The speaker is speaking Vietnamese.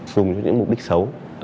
dùng cho những mục đích xấu